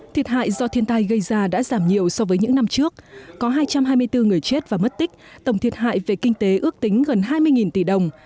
thiệt hại do thiên tai gây ra đã giảm nhiều so với những năm trước có hai trăm hai mươi bốn người chết và mất tích tổng thiệt hại về kinh tế ước tính gần hai mươi tỷ đồng